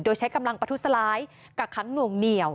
โดยใช้กำลังประทุษร้ายกักขังหน่วงเหนียว